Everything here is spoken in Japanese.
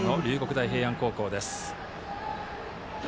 大平安高校です。